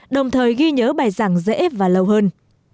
đồng thời ghi nhớ bài giảng dễ và lâu hơn